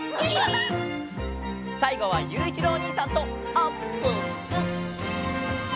さいごはゆういちろうおにいさんとあっぷっぷ！